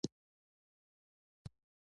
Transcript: کروندګر د کښت په ښه والي بوخت دی